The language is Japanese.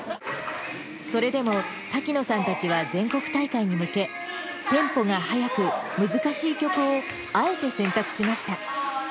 それでも滝野さんたちは全国大会に向け、テンポが速く難しい曲を、あえて選択しました。